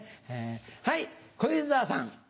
はい小遊三さん。